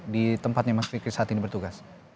di tempatnya mas fikri saat ini bertugas